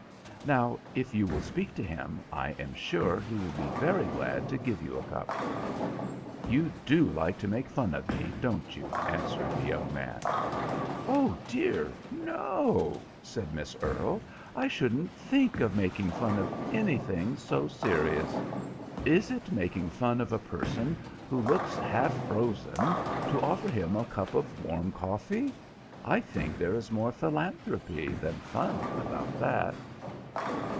Now, if you will speak to him, I am sure he will be very glad to give you a cup." "You do like to make fun of me, don't you?" answered the young man. "Oh, dear no," said Miss Earle, "I shouldn't think of making fun of anything so serious. Is it making fun of a person who looks half frozen to offer him a cup of warm coffee? I think there is more philanthropy than fun about that."